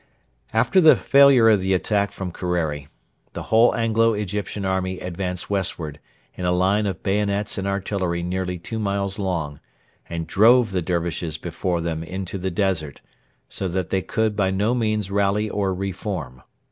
After the failure of the attack from Kerreri the whole Anglo Egyptian army advanced westward, in a line of bayonets and artillery nearly two miles long, and drove the Dervishes before them into the desert, so that they could by no means rally or reform.